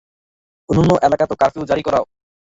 অন্যান্য এলাকাতেও কারফিউ জারি করো।